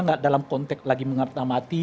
enggak dalam konteks lagi mengertamati